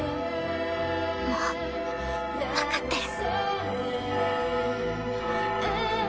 もう分かってる。